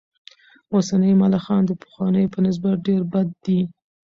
اوسني ملخان د پخوانیو په نسبت ډېر بد دي.